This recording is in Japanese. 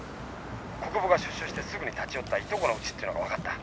国府が出所してすぐに立ち寄った従兄のウチっていうのが分かった。